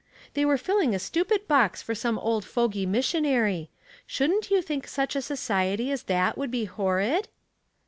They are filling a stupid box for somo old fogy missionary. Shouldn't you think such a society as that would be horrid